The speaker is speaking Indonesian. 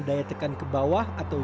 daya tekan ke bawah atau